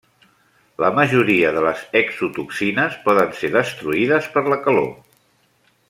La majoria de les exotoxines poden ser destruïdes per la calor.